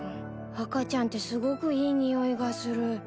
赤ちゃんってすごくいい匂いがする。